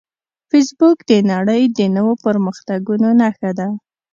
فېسبوک د نړۍ د نوو پرمختګونو نښه ده